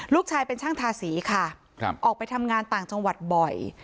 ลูกชายเป็นช่างทาสีค่ะออกไปทำงานต่างจังหวัดบ่อย